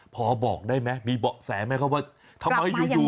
พอบอกได้ไหมมีบอกแสงบอกประมาณว่าทำให้ยู่